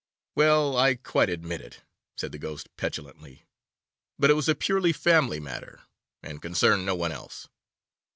'Well, I quite admit it,' said the Ghost petulantly, 'but it was a purely family matter, and concerned no one else.